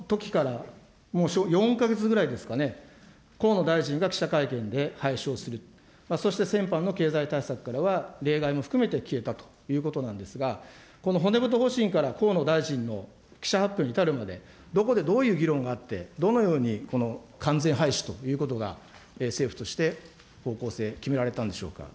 そのときから、もう４か月ぐらいですかね、河野大臣が記者会見で廃止をすると、そして先般の経済対策からは例外も含めて消えたということなんですが、この骨太方針から河野大臣の記者発表に至るまで、どこでどういう議論があって、どのように完全廃止ということが政府として方向性、決められたんでしょうか。